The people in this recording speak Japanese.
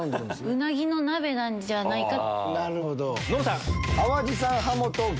ウナギの鍋なんじゃないか。